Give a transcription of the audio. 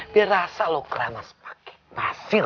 biar rasa lo keramas pake pasir